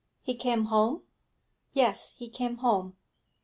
'He came home?' 'Yes, he came home.'